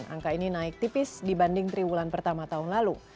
angka ini naik tipis dibanding triwulan pertama tahun lalu